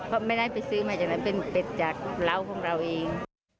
เพราะไม่ได้ไปซื้อมาจากนั้นเป็นเป็ดจากเหล้าของเราเอง